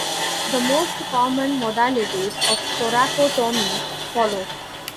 The most common modalities of thoracotomy follow.